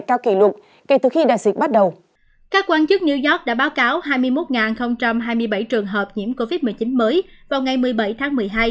các quán chức new york đã báo cáo hai mươi một hai mươi bảy trường hợp nhiễm covid một mươi chín mới vào ngày một mươi bảy tháng một mươi hai